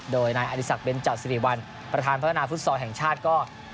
โดยนายอดีศักดิเบนจัดสิริวัลประธานพัฒนาฟุตซอลแห่งชาติก็